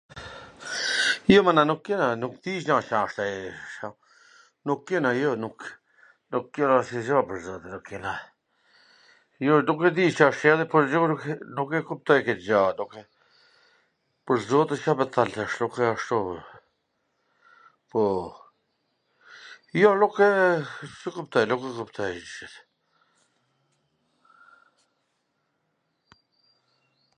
Jo, pwr nder nuk kena, nuk di gja C asht ai, nuk kena, jo, nuk kena asnjw gja, pwr zotin, ju, nuk e di Ca wsht fjala, po nuk e kuptoj kwt gja, pwr zotin, Ca me t than tash, nukw ashtu, po, po, jo, nukw, s e kuptoj, nuk e kuptoj...